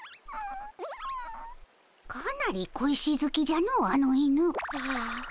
かなり小石好きじゃのあの犬。